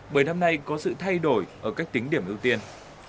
bởi năm nay có sự thay đổi ở cách tính điểm ưu tiên